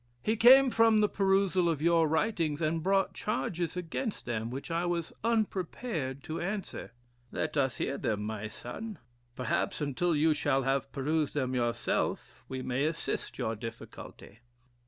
He came from the perusal of your writings, and brought charges against them which I was unprepared to answer." "Let us hear them, my son; perhaps, until you shall have perused them yourself, we may assist your difficulty."